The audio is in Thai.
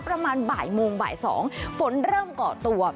ประมาณบ่ายโมงบ่าย๒ฝนเริ่มเกาะตัว